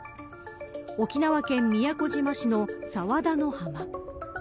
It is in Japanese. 沖縄県宮古島市の佐和田の浜。